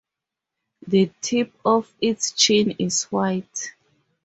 The tip of its chin is white.